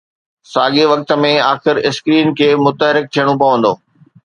ساڳئي وقت ۾، آخر اسڪرين کي متحرڪ ٿيڻو پوندو.